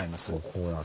こうなる。